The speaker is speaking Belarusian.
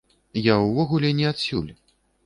Я ўвогуле не адсюль.